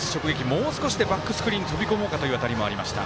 もう少しでバックスクリーンに飛び込もうかという当たりがありました。